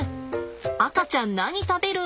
赤ちゃん何食べる？